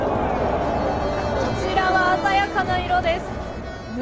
さあこちらは鮮やかな色です。